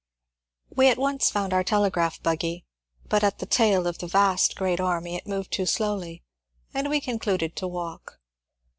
We at once found our telegraph buggy, but at the tail of the vast great army it moved too slowly and we concluded to walk.